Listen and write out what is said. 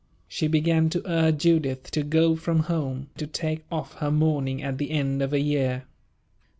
She began to urge Judith to go from home; to take off her mourning at the end of a year.